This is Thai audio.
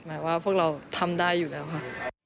หมายว่าพวกเราทำได้อยู่แล้วค่ะ